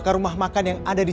jadi mau dombon lagi gitu